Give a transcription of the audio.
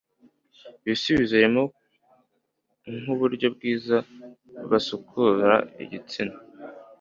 ibisubizo birimo nk'uburyo bwiza basukura igitsina